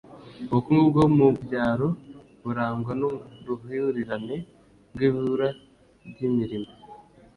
ubukungu bwo mu byaro burangwa n'uruhurirane rw'ibura ry'imirimo